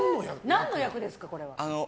何の役ですか？